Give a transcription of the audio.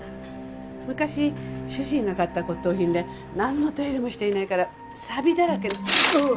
昔主人が買った骨董品でなんの手入れもしていないからさびだらけ。